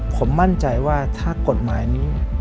ผมมั่นใจว่าถ้ากฎหมายนี้